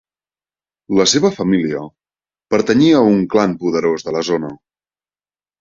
La seva família pertanyia a un clan poderós de la zona.